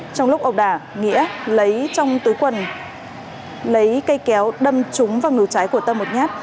trong lúc ẩu đả nghĩa lấy trong tứ quần lấy cây kéo đâm trúng vào ngực trái của tâm một nhát